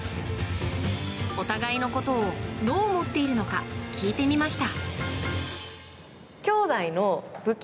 お互いのことをどう思っているのか聞いてみました。